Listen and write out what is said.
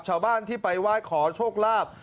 ชาวบ้านที่ไปไหว้ขอโชคลาภ